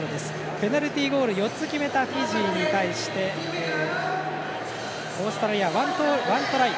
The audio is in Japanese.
ペナルティゴール４つ決めたフィジーに対してオーストラリア、１トライ